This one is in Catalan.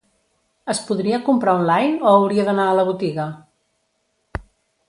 Es podria comprar online o hauria d'anar a la botiga?